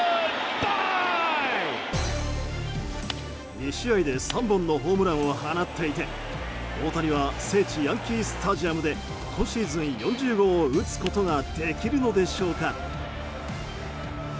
２試合で３本のホームランを放っていて大谷は聖地ヤンキー・スタジアムで今シーズン４０号を打つことができるのでしょうか。